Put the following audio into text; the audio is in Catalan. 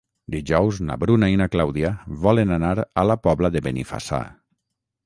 Dijous na Bruna i na Clàudia volen anar a la Pobla de Benifassà.